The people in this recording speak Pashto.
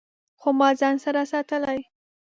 خو ما ځان سره ساتلي